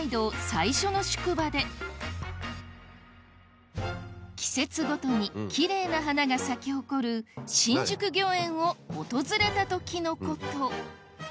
最初の宿場で季節ごとにきれいな花が咲き誇る新宿御苑を訪れた時のこと